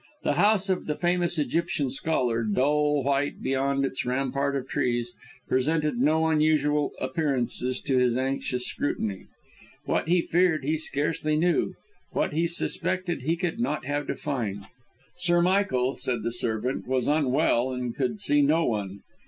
The house of the famous Egyptian scholar, dull white behind its rampart of trees, presented no unusual appearances to his anxious scrutiny. What he feared he scarcely knew; what he suspected he could not have defined. Sir Michael, said the servant, was unwell and could see no one.